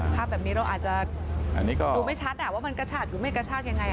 ภาพแบบนี้เราอาจจะดูไม่ชัดว่ามันกระชากหรือไม่กระชากยังไง